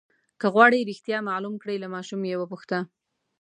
که غواړئ رښتیا معلوم کړئ له ماشوم یې وپوښته.